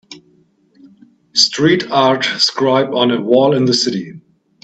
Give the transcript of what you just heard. Street art scribe on a wall in the city.